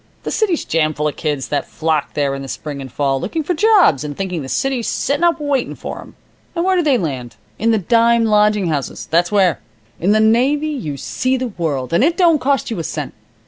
The city's jam full of kids that flock there in the spring and fall, looking for jobs, and thinking the city's sittin' up waitin' for 'em. And where do they land? In the dime lodging houses, that's where. In the navy you see the world, and it don't cost you a cent.